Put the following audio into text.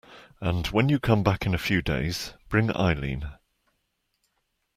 And when you come back in a few days, bring Eileen.